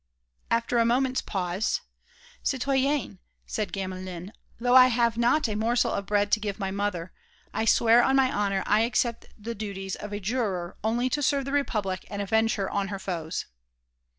After a moment's pause: "Citoyenne," said Gamelin, "though I have not a morsel of bread to give my mother, I swear on my honour I accept the duties of a juror only to serve the Republic and avenge her on her foes."